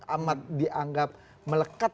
amat dianggap melekat